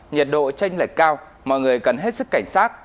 nhiệt độ tranh lệch cao mọi người cần hết sức cảnh sát